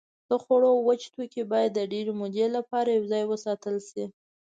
د خوړو وچ توکي باید د ډېرې مودې لپاره یوځای واخیستل شي.